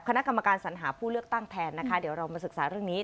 คณะกรรมการสัญหาผู้เลือกตั้งแทนนะคะเดี๋ยวเรามาศึกษาเรื่องนี้